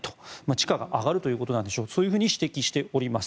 地価が上がるということなんでしょうそう指摘しております。